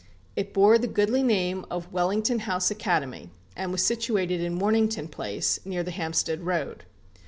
It bore the goodly name of Wellington House Academy, and was situated in Mornington Place, near the Hampstead Road.